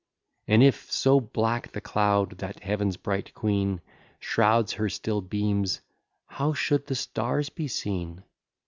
And if so black the cloud that Heaven's bright queen Shrouds her still beams; how should the stars be seen?